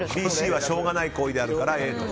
Ｂ、Ｃはしょうがない行為だからと。